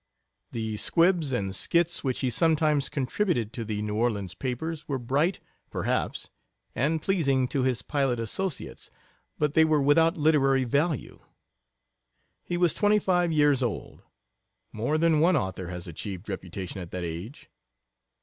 The squibs and skits which he sometimes contributed to the New Orleans papers were bright, perhaps, and pleasing to his pilot associates, but they were without literary value. He was twenty five years old. More than one author has achieved reputation at that age.